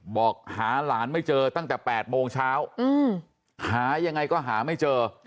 บอกหาหลานไม่เจอตั้งแต่๘โมงเช้าหายังไงก็หาไม่เจอ